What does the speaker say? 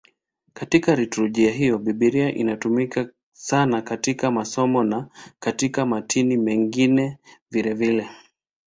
Katika liturujia hiyo Biblia inatumika sana katika masomo na katika matini mengine vilevile.